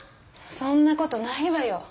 そんなことないわよ。